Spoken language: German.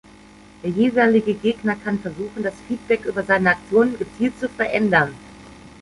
Der jeweilige Gegner kann versuchen, das Feedback über seine Aktionen gezielt zu verändern.